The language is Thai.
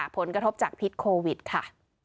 ผลกระทบจากพิษโควิดค่ะ